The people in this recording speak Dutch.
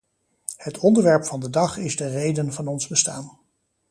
Het onderwerp van de dag is de reden van ons bestaan.